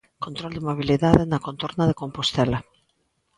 Control de mobilidade na contorna de Compostela.